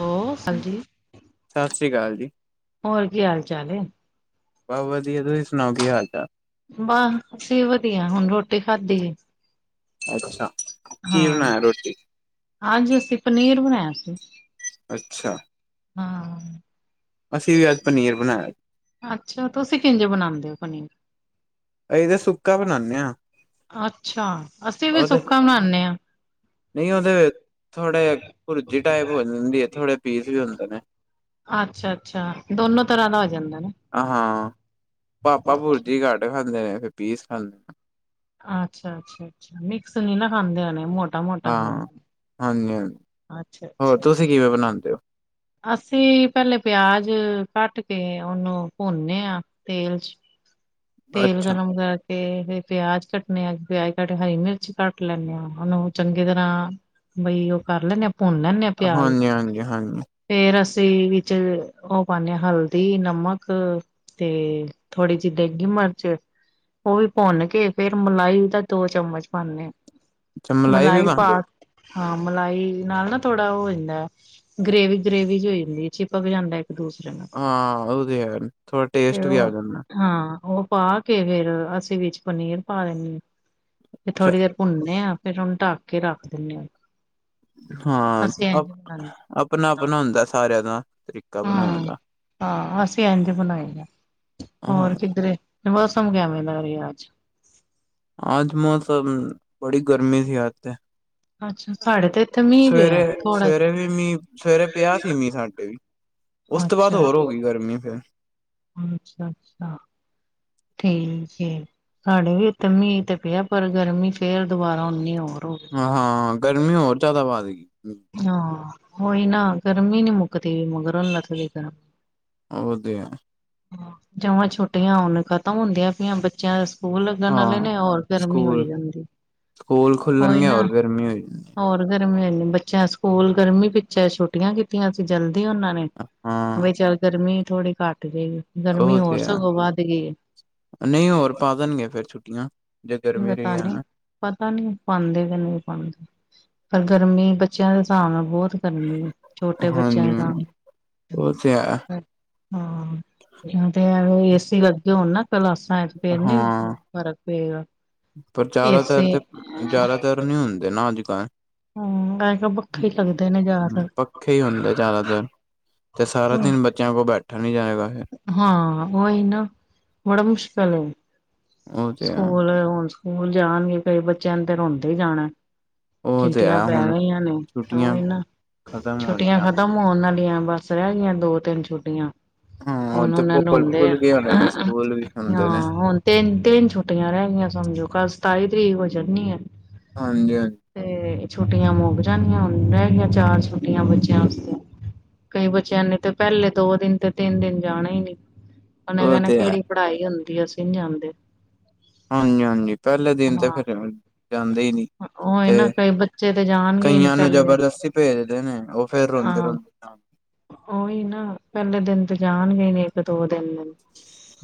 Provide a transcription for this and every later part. Hello ਹੋ ਹਾਂਜੀ, ਸਤਿ ਸ੍ਰੀ ਅਕਾਲ ਜੀ ਹੋਰ ਕੀ ਹਾਲ ਚਾਲ ਏ। ਬਹੁਤ ਵਧੀਆ ਤੁਸੀਂ ਸੁਣਾਓ ਕੀ ਹਾਲ ਚਾਲ। ਬਸ ਅਸੀ ਵਧੀਆ ਹੁਣ ਰੋਟੀ ਖਾਧੀ ਏ। ਅੱਛਾ ਕੀ ਹੂੰ, ਬਣਾਇਆ ਰੋਟੀ ਅੱਜ ਅਸੀਂ ਪਨੀਰ ਬਣਾਇਆ ਸੀ। ਅੱਛਾ। ਹੂੰ ਅਸੀਂ ਵੀ ਅੱਜ ਪਨੀਰ ਬਣਾਇਆ। ਅੱਛਾ ਤੁਸੀ ਕਿੰਜੇ ਬਣਾਉਦੇ ਓ ਪਨੀਰ? ਅਹੀ ਤੇ ਸੁੱਕਾ ਬਣਾਣੇ ਆ। ਅਛਾ, ਅਸੀ ਵੀ ਸੁੱਕਾ ਬਣਾਣੇ ਆ। ਨਈ ਉਹਦੇ ਥੋੜਾ ਜਿਹਾ ਭੁਰਜੀ ਟਾਈਪ ਹੋ ਜਾਦੀ ਐ। ਥੋੜੇ ਪੀਸ ਵੀ ਹੁੰਦੇ ਨੇ ਅੱਛਾ-ਅੱਛਾ, ਦੋਨੋ ਤਰ੍ਹਾਂ ਦਾ ਹੋ ਜਾਂਦਾ ਨਾ ਹਾਂ ਪਾਪਾ ਬੁਰਜੀ ਕੱਟ ਖਾਂਦੇ ਨੇ ਫਿਰ ਪੀਸ ਖਾਂਦੇ ਨੇ ਅੱਛਾ-ਅੱਛਾ, ਮਿਕਸ ਨੀ ਨਾ ਖਾਂਦੇ‌ ਹੋਣੇ ਮੋਟੇ ਹਾਂ ਹਾਂਜੀ-ਹਾਂਜੀ ਅੱਛਾ ਹੋਰ ਤੁਸੀਂ ਕਿਵੇ ਬਣਾਦੇ ਹੋ? ਅਸੀ ਪੇਲੇ ਪਿਆਜ ਕੱਟ ਕੇ ਉਹਨੂੰ ਭੁੰਨੇ ਆ ਤੇਲ ਚ- ਤੇਲ ਅੱਛਾ ਗਰਮ ਕਰ ਤੇ ਫਿਰ ਪਿਆਜ ਕੱਟਣੇ ਆ, ਪਿਆਜ ਕੱਟ ਹਰੀ ਮਿਰਚ ਕੱਟ ਲੈਂਣੇ ਆ, ਓਨੂੰ ਚੰਗੀ ਤਰ੍ਹਾਂ ਬਈ ਉਹ ਕਰ ਲੈਨੇ ਆ ਭੁੰਨ ਲੈਂਨੇ ਆ ਪਿਆਜ ਹਾਂਜੀ ਹਾਂਜੀ- ਹਾਂਜੀ। ਫੇਰ ਅਸੀ ਵਿੱਚ ਉਹ ਪਾਨੇ ਆ ਹਲਦੀ, ਨਮਕ ਤੇ ਥੋੜ੍ਹੀ ਜਿਹੀ ਦੇਗੀ ਮਰਚ ਉਹ ਵੀ ਭੁੰਨ ਕੇ ਫੇਰ ਮਲਾਈ ਦਾ ਦੋ ਚਮਚ ਪਾਣੇ ਆ। ਅੱਛਾ ਵੀ ਮਲਾਈ ਪਾ। ਪਾਉਂਦੇ ਹੋ ਹਾਂ ਮਲਾਈ ਨਾਲ ਨਾ ਥੋੜਾ ਉਹ ਹੋ ਜਾਦਾ ਐ ਗ੍ਰਰੇਵੀ ਗਰੇੇਵ ਜਿਈ ਹੋ ਜਾਂਦੀ ਚਿਪਕ ਜਾਦਾ ਇਕ ਦੂਸਰੇ ਨੂੰ ਹਾਂ ਉਹ ਤੇ ਹੈ ਥੋੜਾ ਤੇ ਟੇਸਟ ਵੀ ਆ ਉਹ ਜਾਂਦਾ ਹਾਂ ਉਹ ਪਾ ਕੇ ਫੇਰ ਅਸੀ ਵਿਚ ਪਨੀਰ ਪਾ ਦੇਦੇ ਆ ਤੇ ਅੱਛਾ, ਥੋੜ੍ਹੀ ਦੇਰ ਭੁੰਨੇ ਆ। ਫੇਰ ਉਹਨੂੰ ਢੱਕ ਕੇ ਰੱਖ ਦਿੰਦੇ ਆ। ਹਾਂ ਅਸੀਂ ਅ ਇੰਝ ਬਣਾਈ ਆਪਣਾ-ਆਪਣਾ ਹੁੰਦਾ ਸਾਰਿਆਂ ਦਾ ਤਰੀਕ ਹਾਂ- ਹਾਂ ਅਸੀ ਏਝ ਬਣਾਈਂ ਦੇ ਆ ਹੋਰ ਹਾਂ ਕਿੱਧਰੇ ਤੇ ਮੌਸਮ ਕੇਵੇ ਦਾ ਰੇਆ ਆਜ ਆਜ ਮੌਸਮ ਬੜੀ ਗਰਮੀ ਸੀ ਆਜ ਤੇ ਅੱਛਾ ਸਾਡੇ ਤੇ ਇੱਥੇ ਮੀਂਹ ਪਿਆ ਸਵੇਰੇ- ਥੋੜਾ ਸਵੇਰੇ ਵੀ ਮੀਂਹ, ਸਵੇਰੇ ਪਿਆ ਸੀ ਮੀਂਹ ਸਾਡੇ ਵੀ- [inaudible] ਉਸ ਤੋਂ ਬਾਅਦ ਹੋਰ ਹੋ ਗਈ ਗਰਮੀ ਫੇਰ ਅਛਾ-ਅਛਾ। ਠੀਕ ਏ, ਸਾਡੇ ਵੀ ਏਥੇ ਮੀਂਹ ਤੇ ਪਿਆ ਪਰ ਗਰਮੀ ਫੇਰ ਦੁਬਾਰਾ ਓਨੀ ਹੋਰ ਹੋ ਗਈ। ਹਾਂ ਗਰਮੀ ਹੋਰ ਜਿਆਦਾ ਵੱਧ ਗਈ। ਹਾਂ ਹੋਈ ਨਾ ਗਰਮੀ ਨੀ ਮੁਕਤੀ ਮਗਰੋਂ ਲਥਦੀ ਗਰਮੀ ਹਾਂ ਉਹ ਤੇ ਹੈ। ਜਵਾਂ ਛੋਟੀਆਂ ਹੋਣ ਖਤਮ ਹੁੰਦੀਆਂ ਪਈਆਂ ਬੱਚਿਆਂ ਸਕੂਲ ਲੱਗਣ ਵਾਲੇ ਹਾਂ ਨੇ ਹੋਰ ਗਰਮੀ ਹੋਈ ਸਕੂਲ-ਸਕੂਲ ਜਾਦੀ ਓਹੀ ਖੁੱਲਣਗੇ ਨਾ ਹੋਰ ਗਰਮੀ ਹੋਈ ਜਾਣੀ। ਹੋਰ ਗਰਮੀ ਇਨੀ ਬੱਚਿਆਂ ਸਕੂਲ ਗਰਮੀ ਪਿਛੇ ਛੋਟੀਆਂ ਕਿਤ ਸੀ ਜਲਦੀ ਉਹਨਾਂ ਨੇ ਵਿ ਹਾਂ ਚੱਲ ਗਰਮੀ ਥੋੜੀ ਘੱਟ ਜਾਏਗੀ। ਗਰਮੀ ਉਹ ਹੋਰ ਤੇ ਹੈ। ਸਗੋਂ ਵੱਧ ਗਈ ਏ ਨਹ ਹੋਰ ਪਾ ਦੇਣਗੇ ਫੇਰ ਛੁੱਟੀਆਂ। ਜੇ ਗਰਮੀ ਪਤਾ ਰਹੀ ਹੈ ਨਹੀ। ਨਾ ਪਤਾ ਨਈ ਪਾਦੇ ਕਿ ਨਈ ਪਾਂਦੇ ਪਰ ਗਰਮੀ ਬੱਚਿਆਂ ਦੇ ਹਿਸਾਬ ਨਾਲ ਬਹੁਤ- ਗਰਮੀ ਆ ਛੋਟੇ ਬੱਚਿਆਂ ਦਾ- ਹਾਂਜੀ-ਹਾਂਜੀ ਉਹ ਤੇ ਹੈ ਏਕ ਤੇ ਏਹ ਵੇ ਏਸੀ ਲੱਗੇ ਹੋਣ ਨਾ ਕਲਾਸ ਤਾਂ ਫੇਰ ਨੀ ਹਾਂ ਫਰਕ ਪੇਗਾ। ਪਰ ਜ਼ਿਆਦਾਤਰ ਤੇ ਜ਼ਿਆਦਾਤਰ ਨੀ ਹੁੰਦੇ ਨਾ ਅਜ ਕਲ- ਹੂੰ ਅਜ ਕੱਲ ਪੱਖੇ ਹੀ ਚਲਦੇ ਨੇ ਜ਼ਿਆਦਾਤਰ- ਪਖੇ ਹੀ ਹੁੰਦੇ ਜ਼ਿਆਦਾਤਰ, ਤੇ ਸਾਰਾ ਦਿਨ ਬੱਚਿਆਂ ਕੋਲ ਬੈਠਾ ਨੀ ਜਾਏਗਾ ਫਿਰ ਹਾਂ, ਹੀ ਨਾ ਬੜਾ ਮੁਸ਼ਕਿਲ ਐ‌। ਉਹ ਤੇ ਹੈ ਸਕੂਲ ਹੁਣ ਸਕੂਲ ਜਾਣਗੇ ਕਈ ਬੱਚਿਆਂ ਨੂੰ ਤੇ ਰੋਂਦੇ ਹੀ ਜਾਣਾ। ਉਹ ਤੇ ਚਿੰਟੀਆਂ ਹੈ ਪੈ ਹੁਣ ਗਈਆਂ ਨੇ ਤਾਂ ਉਹ ਛੁੱਟੀਆਂ ਈ ਨਾਂ, ਖਤਮ ਹੋ ਛੁੱਟੀਆਂ ਖ ਰਹੀਆਂ ਖਤਮ ਹੋਣ ਆਲੀਆਂ ਬਸ ਰਹਿ ਗਈਆਂ ਦੋ ਤਿੰਨ ਛੁੱਟੀਆਂ। ਹਾਂ ਹੁਣ ਤੇ ਉਹਨੇ ਭੁੱਲ ਰੋਦੇ ਭੁੱਲ ਗਏ ਹੋਣੇ ਨੇ ਆ, ਸਕੂਲ ਵੀ ਹੁੰਦੇ ਨੇ ਹਾਂ ਹੁਣ ਤਿੰਨ ਤਿੰਨ ਛੁੱਟੀਆਂ ਰਹਿ ਗਈ ਸਮਝੋਂ, ਕੱਲ ਸਤਾਈ ਤਰੀਕ ਹੋ ਜਾਂਨੀ ਐ। ਹਾਂਜੀ ਹਾਂਜ ਤੇ ਛੁੱਟੀਆਂ ਮੱਕ ਜਾਣੀਆਂ ਹੁਣ, ਰਹਿ ਗਈਆ ਚਾਰ ਛੁੱਟੀਆਂ ਬੱਚਿਆਂ ਵਾਸਤੇ। ਕਈ ਬੱਚਿਆਂ ਨੇ ਤੇ ਪਹਿਲੇ ਦੋ ਦਿਨ ਤੇ ਤਿੰਨ ਦਿਨ ਜਾਣਾ ਹੀ ਨੀ। ਉਹਨੇ ਉਹ ਕਹਿਣਾ ਤੇ ਹੈ ਕਿਹੜੀ ਪੜ੍ਹਾਈ ਹੁੰਦੀ ਐ ਅਸੀਂ ਨੀ ਜਾਂਦੇ। ਹਾਂਜੀ-ਹਾਂਜੀ, ਪਹਿਲੇ ਦਿਨ ਤੇ ਹਾਂ ਫੇਰ ਜਾਂਦੇ ਹੀ ਨੀ ਉਹੀ ਨਾ ਤੇ ਕਈ ਬੱਚੇ ਤੇ ਜਾਣਗੇ ਹੀ ਨੀ ਕਈਆਂ ਨੂੰ ਪਹਿਲੇ ਜ਼ਬਰਦਸਤੀ ਭੇਜਦੇ ਨੇ ਉਹ ਫੇਰ ਰੋਂਦੇ-ਰੋਂਦੇ ਉਹਈ ਨਾ ਪਹਿਲੇ ਦਿਨ ਤੇ ਜਾਣਗੇ ਨੀ ਇੱਕ ਦੋ ਦਿਨ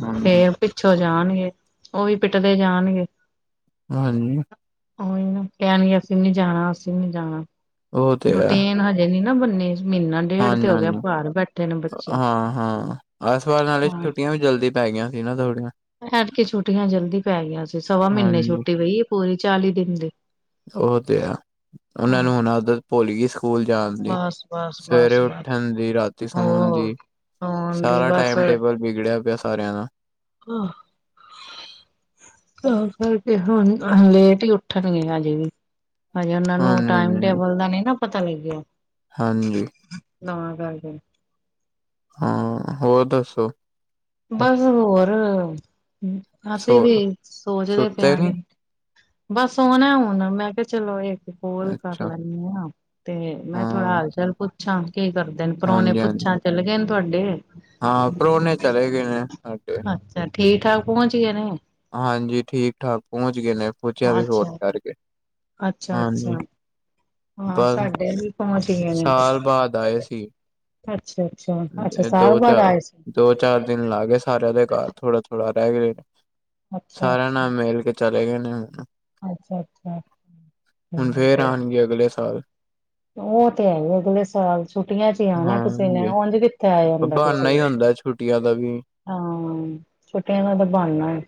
ਹਾਜੀ। ਫੇਰ ਪਿੱਛੋਂ ਜਾਣਗੇ, ਉਹ ਵੀ ਪਿੱਟਦੇ ਜਾਣਗੇ। ਹਾਜੀ। ਉਹੀ ਨਾ ਕਹਿਨਗੇ ਅਸੀਂ ਨੀ ਜਾਣਾ ਅਸੀਂ ਨੀ ਜਾਣਾ, ਉਹ ਤੇ ਰੁਟੀਨ ਹਜੇ ਨੀ ਨਾ ਬੰਨੇ ਹਾਂਜੀ-ਹਾਂਜੀ ਬੱਚੇ ਹਾਂ-ਹਾਂ, ਐਸ ਵਾਰ ਨਾਲੇ ਤਾਂ ਛੁੱਟੀਆਂ ਵੀ ਵੀ ਜਲਦੀ ਪੈ ਗਈ ਸੀ ਨਾ ਥੋੜੀਆਂ। ਐਤਕੀ ਛੁੱਟੀਆਂ ਜਲਦੀ ਪੈ ਗਈਆਂ ਸੀ, ਸਵਾ ਮਹੀਨੇ ਹਾਂਜੀ ਛੁੱਟੀ ਪਈ ਪੂਰੀ ਚਾਲੀ ਦਿਨ ਦੀ। ਉਹ ਤੇ ਆ, ਉਹਨਾਂ ਹਾਂ ਨੂੰ ਹੁਣ ਉਧਰ ਭੋਲੀ ਗੇ ਸਕੂਲ ਜਾਣ ਦੀ, ਬਸ ਬਸ ਸਵੇਰੇ ਬਸ ਬਸ ਉੱਠਣ ਦੀ ਰਾਤੀ ਸੋਣ ਹੋਰ ਦੀ। ਸੋਣ ਦੀ ਸਾਰਾ ਬਸ ਟਾਈਮ ਟੇਬਲ ਬਗੜਿਆ ਪਿਆ ਸਾਰਿਆਂ ਦਾ। ਆਹ ਤਾਂ ਕਰਕੇ ਹੁਣ ਲੇਟ ਹੀ ਉੱਠਣਗੇ ਹਜੇ ਵੀ। ਹਜੇ ਉਹਨਾਂ ਨੂੰ ਟਾਈਮ ਹਾਂਜੀ-ਹਾਂਜੀ, ਟੇਬਲ ਦਾ ਨੀ ਨਾ ਪਤਾ ਲੱਗਿਆ। ਹਾਂਜੀ‌, ਤਾ ਕਰਕੇ। ਹਾਂ, ਹੋਰ ਦੱਸੋਂ? ਬਸ ਹੋਰ, ਸੋ ਅਸੀਂ ਵੀ ਸੋਚਦੇ ਪਏ ਸੁੱਤੇ ਆ ਨੀ? ਗੇ ਬਸ ਸੌਣਾ ਹੁਣ, ਮੈਂ ਕਿਹਾ ਚਲੋਂ ਇਕ ਕੋਲ ਕਰ ਅੱਛਾ ਲੈਂਨੀ ਆ, ਤੇ ਮੈਂ ਥੋੜਾ ਹਾਂ, ਹਾਲ-ਚਾਲ ਪੁੱਛਾਂ ਕੀ ਕਰ ਦੇ ਨੇ, ਪ੍ਰਾਹੁਣੇ ਹਾਂਜੀ-ਹਾਂਜੀ। ਪੁੱਛਾਂ ਚੱਲ ਗਏ ਨੇ ਤੁਹਾਡੇ? ਹਾਂ, ਪ੍ਰਾਹੁਣੇ ਚਲੇ ਗਏ ਨੇ ਆਕੇ, ਅੱਛਾ, ਠੀਕ-ਠਾਕ ਪਹੁੰਚ ਗਏ ਨੇ? ਹਾਂਜੀ ਠੀਕ-ਠਾਕ ਪਹੁੰਚ ਗਏ ਨੇ, ਪੁੱਛਿਆ ਸੀ ਫੋਨ ਕਰਕੇ। ਅੱਛਾ-ਅੱਛਾ, ਹਾਂਜੀ ਹਾਂ, ਬਸ ਸਾਡੇ ਵੀ ਪਹੁੰਚ ਗਏ ਨੇ। ਸਾਲ ਬਾਅਦ ਆਏ ਸੀ ਅੱਛਾ-ਅੱਛਾ-ਅੱਛਾ, ਦੋ ਸਾਲ ਬਾਅਦ ਚਾਰ ਆਏ ਸੀ। ਦੋ ਚਾਰ ਦਿਨ ਲਾ ਗਏ ਸਾਰਿਆਂ ਦੇ ਘਰ ਥੋੜਾ ਥੋੜਾ ਰਹਿਗੇ ਅੱਛਾ ਸਾਰਿਆਂ ਅੱਛਾ। ਨਾਲ ਮਿਲ ਕੇ ਚਲੇਂ ਗਏ ਨੇ ਹੁਣ, ਅੱਛਾ ਅੱਛਾ ਹੁਣ ਫੇਰ ਆਉਣਗੇ ਅਗਲੇ ਸਾਲ। ਉਹ ਤੇ ਹੈਗੇ ਅਗਲੇ ਸਾਲ ਛੁੱਟੀਆਂ ਚ ਹੀ ਆਣਾ ਕਿਸੇ ਨੇ, ਹਾਂਜੀ, ਉਂਝ ਕਿ ਕਿਥੇ ਆਇਆ ਜਾਂਦਾ ਕਿਸੇ ਬਹਾਨਾ ਹੀ ਹੁੰਦਾ ਛੁੱਟੀਆਂ ਤੋ, ਦਾ ਵੀ। ਆਹ ਛੁੱਟੀਆਂ ਦਾ ਤਾਂ ਬਾਨਾ ਐ,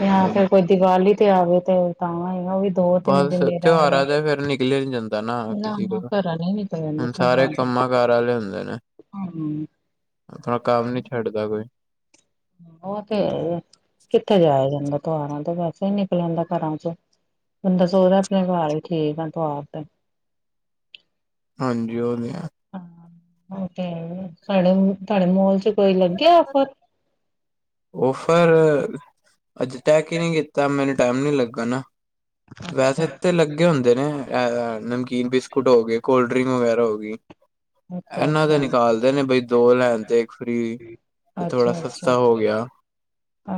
ਜਾਂ ਫਿਰ ਕੋਈ ਦੀਵਾਲੀ ਤੇ ਆਵੇ ਤੇ ਤਾਂ ਐ ਨਾ, ਉਹ ਵੀ ਦੋ ਤਿੰਨ ਬਸ ਦਿਨ ਹੀ ਰਹਿ ਤਿਉਹਾਰਾਂ ਤੇ ਫੇਰ ਜਾਣਾ ਨਿਕਲਿਆਂ ਨੀ ਜਾਂਦਾ ਨਾ। ਕਿਸੀ ਨਾ ਕੋਲੋਂ, ਘਰਾਂ ਨੀ ਨਿਕਲਿਆ ਜਾਂਦਾ ਹੁਣ ਸਾਰੇ ਧੁਆਰਾ ਕੰਮਾਂ ਤੇ ਕਾਰ ਵਾਲੇ ਹੁੰਦੇ ਨੇ। ਹੂੰ ਆਪਣਾ ਕੰਮ ਨੀ ਛੱਡਦਾ ਕੋਈ। ਉਹ ਤੇ ਕਿੱਥੇ ਜਾਇਆ ਜਾਂਦਾ ਤਿਉਹਾਰਾਂ ਤੇ ਵੈਸੇ ਹੀ ਨਹੀਂ ਨਿਕਲਿਆ ਜਾਂਦਾ ਘਰਾਂ ਚ ਬੰਦਾ ਸੋਚਦਾ ਆਪਣੇ ਘਰ ਹੀ ਠੀਕ ਆ, ਤਿਉਹਾਰ ਤੇ ਹਾਂਜੀ, ਉਹ ਵੀ ਆ। ਹਾਂ, ਤੇ ਸਾਡੇ ਤੁਹਾਡੇ ਮਾਲ ਚ ਕੋਈ ਲੱਗਿਆ ਓਫਰ। ਓਫਰ ਅੱਜੇ ਤੈੱਕ ਹੀ ਨਹੀਂ ਕੀਤਾ, ਮੈਨੂੰ ਟਾਈਮ ਨੀ ਲੱਗਾ ਨਾ। ਵੈਸੇ ਅੱਛਾ, ਤੇ ਲੱਗੇ ਹੁੰਦੇ ਨੇ, ਅ ਨਮਕੀਨ ਬਿਸਕੁਟ ਹੋ ਗਏ, ਕੋਲਡ ਡਰਿੰਕ ਵਗੈਰਾ ਹੋ ਗਈ। ਅੱਛਾ, ਇਹਨਾਂ ਤੇ ਅੱਛਾ। ਨਿਕਾਲਦੇ ਨੇ ਬਈ ਦੋ ਲੈਣ ਤੇ ਫਰੀ, ਤੇ ਥੋੜਾ ਅੱਛਾ, ਅੱਛਾ, ਸਸਤਾ ਹੋ ਗਿਆ।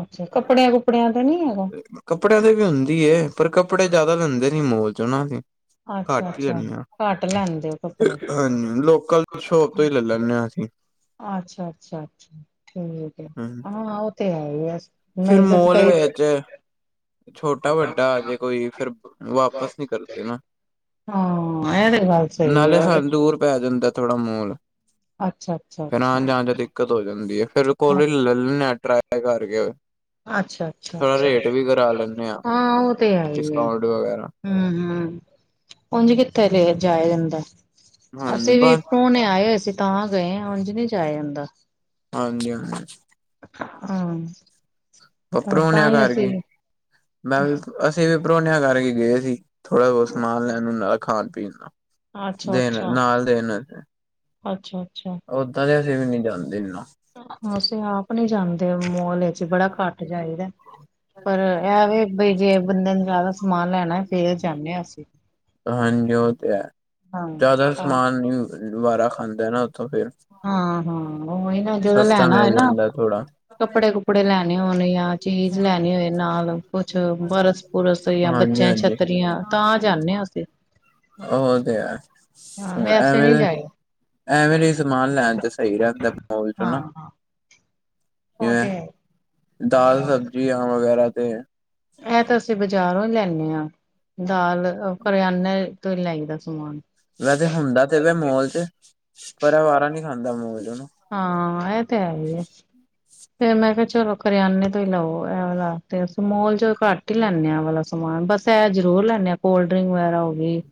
ਅੱਛਾ, ਕੱਪੜਿਆਂ ਕੁਪੜਿਆਂ ਤੇ ਨੀ ਹੈਗਾ। ਕੱਪੜਿਆਂ ਤੇ ਵੀ ਹੁੰਦੀਏ, ਪਰ ਕੱਪੜੇ ਜਿਆਦਾ ਲੈਂਦੇ ਨੀ, ਮਾਲ ਚ ਹਨਾ। ਅੱਛਾ, ਘੱਟ ਹੀ ਅੱਛਾ ਲੈਂਦੇ ਹਾਂ, ਘੱਟ ਲੈਂਦੇ ਹੋ ਕੱਪੜੇ ਹਾਂਜੀ, ਲੋਕਲ ਸ਼ੋਪ ਤੋਂ ਹੀ ਲੈ ਲੈਂਦੇ ਹਾਂ, ਅਸੀਂ ਅੱਛਾ, ਅੱਛਾ-ਅੱਛਾ ਠੀਕ ਹੈ, ਹਾਂ ਉਹ ਤੇ ਹੈ ਹੀ ਆ। ਮੈਂ ਫੇਰ ਕਦ ਮਾਲ ਕਈ ਵਿੱਚ ਛੋਟਾ ਵੱਡਾ ਆ ਜੇ ਕੋਈ, ਫੇਰ ਵਾਪਿਸ ਨਹੀਂ ਕਰਦੇ ਨਾ। ਹਾਂ ਇਹ ਤੇ ਗੱਲ ਸਹੀ ਨਾਲੇ ਹੈ ਸਾਨੂੰ ਦੂਰ ਪੈ ਜਾਂਦਾ। ਥੋੜਾ ਮਾਲ, ਅੱਛਾ, ਅੱਛਾ, ਫੇਰ ਆਉਣ ਅੱਛਾ। ਜਾਣ ਚ ਦਿੱਕਤ ਹੋ ਜਾਂਦੀ ਹੈ ਫੇਰ ਕੋਲ ਲੈਨੇ ਟਰਾਏ ਕਰਕੇ ਅੱਛਾ, ਅੱਛਾ ਥੋੜਾ -ਅੱਛਾ ਰੇਟ ਵੀ ਕਰਾ ਲੈਂਦੇ ਹਾਂ, ਉਹ ਤੇ ਹੈ ਹੀ ਆ। ਡਿਸਕਾਊਂਟ ਵਗੈਰਾ ਹ, ਹ ਉਝ ਕਿੱਥੇ ਲ ਜਾਇਆ ਜਾਂਦਾ? ਹਾਂਜੀ ਅਸੀਂ ਵੀ ਬਸ ਪ੍ਰੋਣੇ ਆਏ ਹੋਏ ਸੀ, ਤਾਂ ਗਏ ਹਾਂ, ਉੰਝ ਨਹੀਂ ਜਾ ਆਏ ਜਾਂਦਾ। ਹਾਂਜੀ, ਹਾਂਜੀ। ਹਾਂ। ਵ ਤਾਂ ਪਰੂਣਿਆ ਹੀ ਕਰ ਅਸੀਂ ਕੀ, ਮੈਂ [inaudible] ਅਸੀਂ ਵੀ ਪਰੁਣਿਆਂ ਕਰਕੇ ਗਏ, ਸੀ ਥੋੜਾ ਬਹੁਤ ਸਮਾਨ ਲੈਣ ਨਾਲ ਖਾਣ ਪੀਣ ਦਾ ਅੱਛਾ ਦੇਣ, ਅੱਛਾ ਨਾਲ ਦੇਣ। ਅੱਛਾ, ਅੱਛਾ। ਅਹੁਦਾ ਤੇ ਅਸੀਂ ਵੀ ਨਹੀਂ ਜਾਂਦੇ ਇਨੂੰ। ਅਸੀ ਆਪ ਨਹੀਂ ਜਾਂਦੇ, ਮਾਲ ਚ ਬੜਾ ਘੱਟ ਜਾਹੀਦਾ। ਪਰ ਇਹ ਵੀ ਬ, ਜੇ ਬੰਦੇ ਨੂੰ ਜ਼ਿਆਦਾ ਸਮਾਨ ਲੈਣਾ, ਫੇਰ ਜਾਂਦੇ ਹਾਂ, ਅਸੀਂ। ਹਾਂਜੀ, ਉਹ ਤੇ ਹੈ, ਹਾਂ ਜ਼ਿਆਦਾ ਸਮਾਨ ਨਈ ਵਾਰਾ ਖਾਂਦਾ ਨਾ ਉੱਥੋਂ ਫਿਰ। ਹਾਂ, ਹਾਂ, ਓਹੀ ਨਾ ਜਦੋਂ ਸਸਤਾ ਲੈਣਾ ਹੋਏ ਮਿਲ ਨਾ। ਜਾਂਦਾ ਥੋੜਾ ਕੱਪੜੇ, ਕੁਪੜੇ, ਲੈਣੇ ਹੋਣ ਜਾਂ ਚੀਜ਼ ਲੈਣੀ ਹੋਏ ਨਾਲ ਕੁਛ, ਬਰਸ ਪੁਰਸ ਜਾਂ ਹਾਂਜੀ ਬੱਚਿਆਂ ਹਾਂਜੀ ਛੱਤਰੀਆਂ, ਤਾਂ ਜਾਂਦੇ ਹ ਅਸੀਂ। ਉਹ ਤੇ ਹੈ, ਹਾਂ ਮੈਂ ਵੈਸੇ ਨਹੀਂ ਐਵੇਂ ਜਾਏ ਐਵੇਂਲੇ ਸਮਾਨ ਲੈਣ ਤੇ, ਸਹੀ ਰਹਿੰਦਾ ਮਾਲ ਚ ਨਾ। ਓਹ ਜਿਵੇਂ ਤੇ ਹੈ। ਦਾਲ, ਸਬਜ਼ੀਆ ਵਗੈਰਾ ਤੇ ਇਹ ਤਾਂ ਅਸੀਂ ਬਜ਼ਾਰੋਂ ਹੀ ਲੈਂਨੇ ਹਾਂ, ਦਾਲ, ਕਰਿਆਨੇ ਤੋਂ ਹੀ ਲਾਈ ਦਾ ਸਮਾਨ। ਮੈਂ, ਤੇ ਹੁੰਦਾ ਤੇ ਮਾਲ ਚ ਪਰ ਵਾਰਾ ਨੀ ਖਾਂਦਾ ਮਾਲ ਉਹਨੂੰ। ਹਾਂ, ਇਹ ਤੇ ਹੈਈ ਐ। ਫਿਰ ਮੈਂ ਕਿਹਾ, ਚਲੋ ਕਰਿਆਨੇ ਤੋਂ ਹੀ ਲਓ, ਇਹਦਾ ਤੇ ਮਾ ਲ ਚ ਘੱਟ। ਰਟੀ ਲੈਂਨੇ ਆ ਆਹ ਵਾਲਾ ਸਮਾਨ ਬਸ ਇਹ ਜ਼ਰੂਰ ਲੈਂਨੇ ਆ ਕੋਲਡ ਡਰਿੰਕ ਵਗੈਰਾ ਹੋ ਗਈ।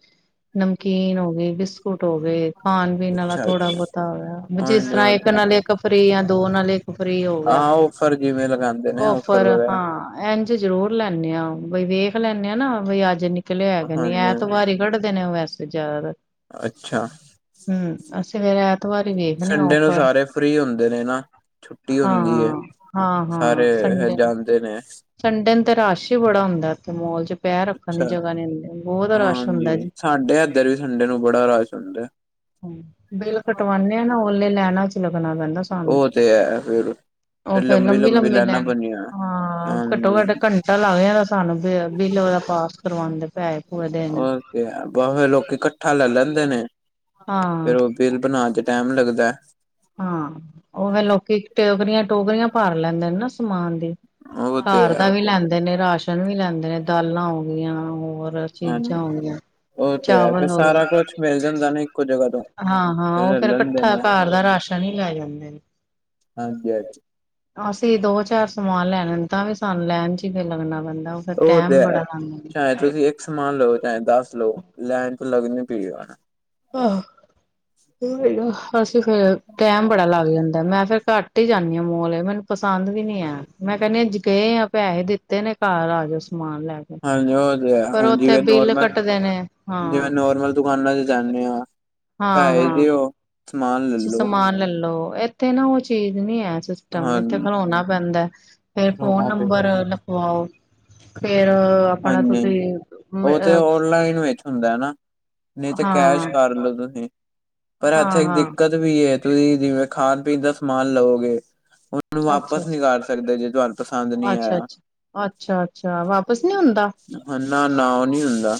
ਨਮਕੀਨ ਹੋ ਗਈ, ਬਿਸਕੁਟ ਹੋ ਗਏ, ਖਾਣ-ਪੀਣ ਆਲਾ ਅੱਛਾ ਥੋੜਾ ਅੱਛਾ ਬਹੁਤਾ ਹੋ ਗਿਆ ਜਿਸ- ਹਾਂਜੀ ਤਰ੍ਹਾਂ ਉਹ ਇੱਕ ਤੇ ਨਾਲ ਇੱਕ ਫ੍ਰਰੀ ਜਾਂ ਦੋ ਨਾਲ ਇੱਕ ਫ੍ਰਰੀ ਹੋ ਗਿਆ, ਹਾਂ ਔਫਰ ਜਿਵੇਂ ਲਗਾਉਂਦੇ ਨੇ ਔਫਰ ਵਗੈਰਾ ਹਾਂ। ਇੰਝ ਜ਼ਰੂਰ ਲੈਂਨੇ ਆ ਬਈ ਵੇਖ ਲੈਂਨੇ ਆਂ ਨਾ ਬਈ ਅੱਜ ਨਿੱਕਲਿਆ ਹੈਗਾ ਨਹੀਂ ਹਾਂਜੀ ਹਾਂਜੀ ਐਤਵਾਰ ਈ ਕੱਢਦੇ ਨੇ ਵੈਸੇ ਜ਼ਿਆਦਾਤਰ। ਅੱਛਾ ਹੂੰ ਅਸੀਂ ਫੇਰ ਐਤਵਾਰ ਈ ਵੇਖਨੇ ਆ ਔ ਉਹ ਸਾਰੇ ਫ੍ਰਰੀ ਹੁੰਦੇ ਨੇ ਨਾ, ਛੁੱਟੀ ਹੁੰਦੀ ਏ। ਹਾਂ, ਹਾਂ-ਹਾਂ ਸਾਰੇ ਸੰਡੇ ਨੂੰ। ਜਾਣਦੇ ਨੇ। ਸੰਡੇ ਨੂੰ ਤੇ ਰਸ਼ ਹੀ ਬੜਾ ਹੁੰਦਾ ਉਥੇ ਮੌਲ 'ਚ ਪੈਰ ਰੱਖਣ ਦੀ ਅੱਛਾ ਜਗ੍ਹਾ ਨੀ ਹੁੰਦੀ ਬਹੁਤ ਰਸ਼ ਹੁੰਦਾ ਹਾਂਜੀ ਜੀ। ਸਾਡੇ ਇਧਰ ਵੀ ਸੰਡੇ ਨੂੰ ਬੜਾ ਰਸ਼ ਹੁੰਦਾ। ਹੂੰ ਬਿੱਲ ਕਟਵਾਨੇ ਆ ਨਾ ਉਹਲੇ ਲੈਣਾ 'ਚ ਲੱਗਣਾ ਪੈਂਦਾ ਸਾਨੂੰ। ਉਹ ਤੇ ਹੈ ਫੇਰ। ਉਹ ਫੇਰ ਲੰਬੀ-ਲੰਬੀ ਲੈਣ, ਹਾਂ ਹਾਂਜੀ ਘੱਟੋ-ਘੱਟ ਘੰਟਾ ਪਤਾ ਲੱਗ ਜਾਂਦਾ ਸਾਨੂੰ ਬਿੱਲ ਉਹਦਾ ਪਾਸ ਕਰਵਾਉਣ ਦੇ ਪੈਏ ਪੂਏ ਦੇਨ। ਉਹ ਬਸ ਫੇਰ ਲੋਕੀ ਇਕੱਠਾ ਲੈ ਲੈਂਦੇ ਨੇ, ਹਾਂ। ਫੇਰ ਉਹ ਬਿੱਲ ਬਣਾਣ 'ਚ ਟੈਮ ਲੱਗਦਾ। ਹਾਂ, ਉਵੇ ਲੋਕੀ ਟੋਕਰੀਆਂ, ਟੋਕਰੀਆਂ ਭਾਰ ਲੈਂਦੇ ਨੇ ਨਾ ਸਮਾਨ ਦੀ। ਉਹ ਤੇ ਘਰ ਹੈ ਦਾ ਵੀ ਲੈਂਦੇ ਨੇ ਰਾਸ਼ਨ ਵੀ ਲੈਂਦੇ ਨੇ ਦਾਲਾਂ ਹੋ ਗਈਆਂ ਹੋਰ ਚੀਜ਼ਾਂ ਹਾਂਜੀ ਹੋਗੀਆਂ। ਉਹ ਤੇ ਹੈ ਫਿਰ ਚਾਵਲ ਹੋ ਸਾਰਾ ਕੁਛ ਮਿਲ ਜਾਂਦਾ ਗਏ। ਨਾ ਇੱਕੋ ਜਗ੍ਹਾ ਤੋਂ ਹਾਂ-ਹਾਂ ਉਹ ਫੇਰ ਰਲਣ ਦੇ ਕੱਠਾ ਨਾਲ ਘਰ ਦਾ ਰਾਸ਼ਨ ਸ਼ਨੀ ਲਏ ਜਾਂਦੇ ਨੇ। ਹਾਂਜੀ ਹਾਂਜੀ ਅਸੀਂ ਦੋ ਚਾਰ ਸਮਾਨ ਲੈਣੇ ਤਾਂ ਵੀ ਸਾਨੂੰ ਲੈਣ 'ਚ ਫੇਰ ਲੱਗਣਾ ਪੈਂਦਾ। ਫੇਰ ਉਹ ਤੇ ਟੈਮ ਹੈ ਬੜਾ ਲਾਦੇ ਚਾਹੇ ਨੇ। ਤੁਸੀਂ ਇੱਕ ਸਮਾਨ ਲਓ ਚਾਹੇ ਦੱਸ ਲਓ ਲੈਣ 'ਚ ਲੱਗਣਾ ਹੀ ਪਏਗਾ। ਆਹ, ਅਸੀਂ ਫਿਰ ਟੈਮ ਬੜਾ ਲਾ ਜਾਂਦਾ ਮੈਂ ਫਿਰ ਘੱਟ ਹੀ ਜਾਨੀ ਆ ਮੋਲ ਮੈਨੂੰ ਪਸੰਦ ਵੀ ਨੀ ਆ ਮੈਂ ਕਹਿੰਨੀ ਜੇ ਗਏ ਆ ਪੈਸੇ ਦਿੱ ਤੇ ਨੇ ਘਰ ਆ ਜੋ ਸਮਾਨ ਲੈ ਕੇ। ਹਾਂਜੀ ਉਹ ਤੇ ਹੈ ਪਰ ਹੁਣ ਉੱਥੇ ਜਿਵੇਂ ਬਿੱਲ ਨੋਰਮਲ ਕੱਟਦੇ ਨੇ ਜਿਵੇਂ ਹਾਂ ਨੋਰਮਲ ਦੁਕਾਨਾਂ ਚ ਜਾਨੇ ਆ ਹਾਂ-ਹਾਂ ਜੀ ਲੈਲੋ ਸਮਾਨ ਲੈ ਲੋ- ਤੇ ਨਾ ਉਹ ਚੀਜ਼ ਨੀ ਹੈ ਸਿਸਟਮ ਇਥੇ ਹਾਂਜੀ ਖਲੋਣਾ ਪੈਂਦਾ, ਫੇਰ ਫੋਨ ਨੰਬਰ ਵਾਓ, ਫ਼ੇਰ ਹਾਂਜੀ, ਉਹ ਤੇ ਔਨਲਾਈਨ ਵਿੱਚ ਹੁੰਦਾ ਨਾ, ਨਹੀਂ ਤੇ ਕੈਸ਼ ਹਾਂ ਕਰ ਲੋ ਤੁਸੀਂ ਪਰ ਹਾਂ ਇੱਥੇ ਇੱਕ ਹਾਂ ਦਿੱਕਤ ਵੀ ਐ ਤੁਸੀਂ ਜਿਵੇਂ ਖਾਣ-ਪੀਣ ਦਾ ਸਮਾਨ ਲਵੋਗੇ ਹੁ ਉਹਨੂੰ ਅੱਛਾ ਵਾਪਸ ਨੀ ਕਰ ਅੱਛਾ ਸਕਦੇ ਜੇ ਤੁਹਾਨੂੰ ਪਸੰਦ ਨੀ ਆਇਆ। ਅੱਛਾ-ਅੱਛਾ, ਅੱਛਾ-ਅੱਛਾ ਵਾਪਿਸ ਨੀ ਹੁੰਦਾ? ਨਾ-ਨਾ ਉਹ ਨੀ ਹੁੰਦਾ,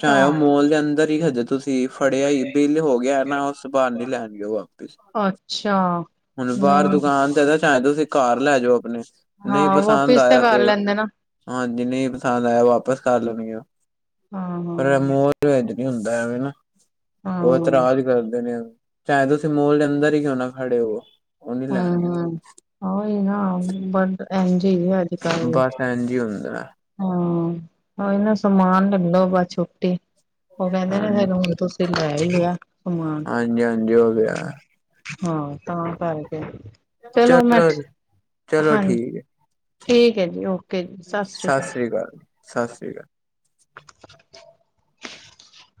ਚਾਹੇ ਉਹ ਮੋਲ ਦੇ ਅੰਦਰ ਹੀ ਹਜੇ ਤੁਸੀਂ ਤੇ ਫੜਿਆ ਹੀ ਬਿੱਲ ਹੋ ਗਿਆ ਨਾ ਉਸ ਤੋ ਬਾਅਦ ਨੀ ਲੈਣਗੇ ਉਹ ਵਾਪਿਸ। ਅੱਛਾ। ਹੁਣ ਬਾਹਰ ਮੈਨੂੰ ਦੁਕਾਨ ਤੇ ਚਾਹੇ ਤੁਸੀਂ ਘਰ ਲੈ ਜਾਓ ਆਪਣੇ, ਨਹੀਂ ਹਾਂ ਪਸੰਦ ਵਾਪਿਸ ਆਇਆ ਕਰ ਤੇ। ਲੈਂਦੇ ਨਾ ਹਾਂ ਜੇ ਨਹੀਂ ਪਸੰਦ ਆਇਆ ਵਾਪਸ ਕਰ ਲੈਣਗੇ ੳਹ, ਪਰ ਏ ਹਾਂ-ਹਾਂ। ਮੋ ਜੋ ਇੰਝ ਨੀ ਹੁੰਦਾ ਐਵੇਂ ਨਾ, ਹਾਂ, ਉਹ ਹੂੰ-ਹੂੰ। ਇਤਰਾਜ ਕਰਦੇ ਨੇ ਉਹ। ਚਾਹੇ ਤੁਸੀਂ ਮੋਲ ਦੇ ਅੰਦਰ ਹੀ ਕਿਉਂ ਨਾ ਖੜੇ ਹੋਵੋ। ਹਾਂ-ਹਾਂ, ਉਹ ਹੀ ਨਾ ਬਟ ਇੰਝ ਈ ਏ ਆਜ ਬਸ ਇੰਝ ਈ ਹੁੰਦਾ। ਹੂੰ, ਉਹੀ ਨਾ ਸਮਾਨ ਲੈ ਲੋ ਬਸ ਛੁੱਟੀ ਓ ਕਹਿੰਦੇ ਨੇ ਫੇਰ ਹਾਂਜੀ ਹੁਣ ਤੁਸੀਂ ਲੈ ਈ ਲਿਆ ਸਮਾਨ। ਹਾਂਜੀ, ਹਾਂਜੀ ਓ ਵੀ ਹਾਂ, ਤਾਂ ਪਾਏ। ਚਲੋ ਮੈਂ ਚਲੋ ਹਾਂਜੀ ਠੀਕ ਆ ਜੀ ਓਕੇ। ਜੀ ਸਤਿ ਸ਼੍ਰੀ ਅਕਾਲ ਸਾਸਰੀ ਕਾਲ, ਸਾਸਰੀ ਕਾਲ। [inaudible]